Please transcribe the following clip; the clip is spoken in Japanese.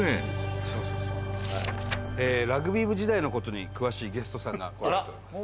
ラグビー部時代の事に詳しいゲストさんが来られております。